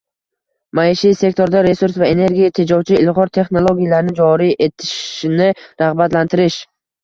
maishiy sektorda resurs va energiya tejovchi ilg‘or texnologiyalarni joriy etishni rag‘batlantirish